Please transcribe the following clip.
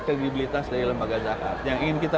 kredibilitas dari lembaga zakat yang ingin kita